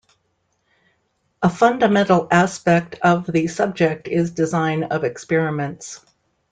A fundamental aspect of the subject is design of experiments.